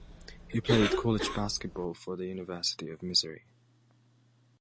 He played college basketball for the University of Missouri.